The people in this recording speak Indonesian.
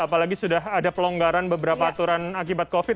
apalagi sudah ada pelonggaran beberapa aturan akibat covid